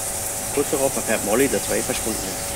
Kurz darauf erfährt Molly, dass Ray verschwunden ist.